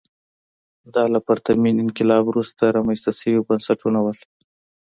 دا له پرتمین انقلاب وروسته رامنځته شوي بنسټونه وو.